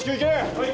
・はい。